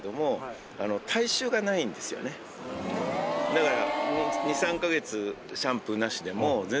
だから。